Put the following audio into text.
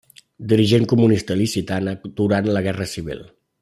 Dirigent comunista il·licitana durant la Guerra Civil.